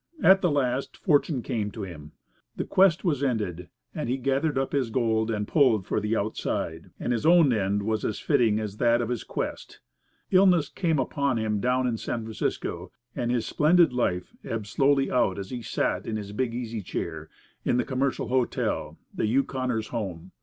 At the last fortune came to him. The quest was ended, and he gathered up his gold and pulled for the outside. And his own end was as fitting as that of his quest. Illness came upon him down in San Francisco, and his splendid life ebbed slowly out as he sat in his big easy chair, in the Commercial Hotel, the "Yukoner's home."